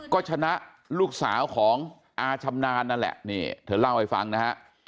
ก็ชนะลูกสาวของอาชำนาญนั่นแหละนี่เธอเล่าให้ฟังนะฮะ